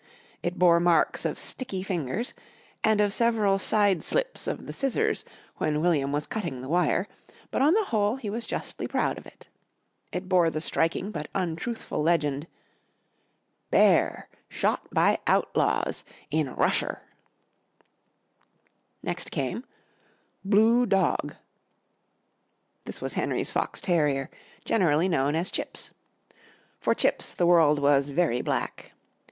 It bore marks of sticky fingers, and of several side slips of the scissors when William was cutting the wire, but on the whole he was justly proud of it. It bore the striking but untruthful legend: ++| BEAR SHOT || BY OUTLAWS || IN RUSHER |++ Next came: ++| BLUE DOG |++ This was Henry's fox terrier, generally known as Chips. For Chips the world was very black.